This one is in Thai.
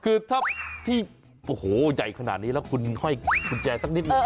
คือถ้าที่โอ้โหใหญ่ขนาดนี้แล้วคุณห้อยกุญแจสักนิดหนึ่ง